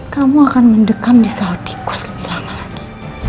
kamu akan mendekam di saltiku selama lagi